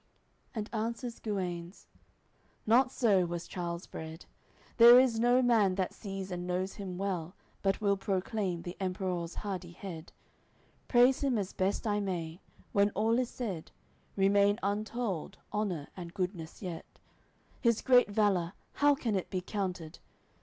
And answers Guenes: "Not so was Charles bred. There is no man that sees and knows him well But will proclaim the Emperour's hardihead. Praise him as best I may, when all is said, Remain untold, honour and goodness yet. His great valour how can it be counted?